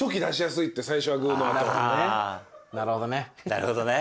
なるほどね。